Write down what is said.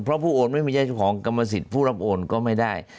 เพราะผู้โอนไม่ใช่เจ้าของกรรมสิทธิ์ผู้รับโอนก็ไม่ได้